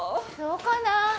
そうかな？